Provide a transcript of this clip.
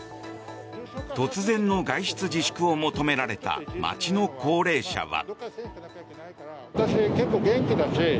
突然の外出自粛を求められた街の高齢者は。